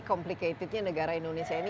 komplikatednya negara indonesia ini